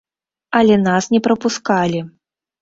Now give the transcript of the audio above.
Але нас не прапускалі.